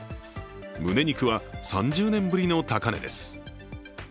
むね肉は３０年ぶりの高値です。